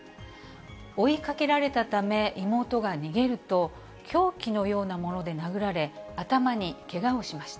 追いかけられたため、妹が逃げると、凶器のようなもので殴られ、頭にけがをしました。